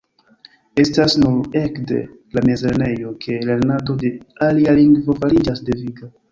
Estas nur ekde la mezlernejo ke lernado de alia lingvo fariĝas deviga.